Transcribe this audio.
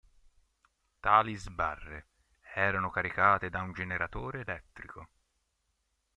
Tali sbarre erano caricate da un generatore elettrico.